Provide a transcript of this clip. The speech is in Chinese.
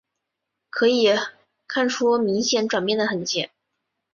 可以看出明显转变的痕迹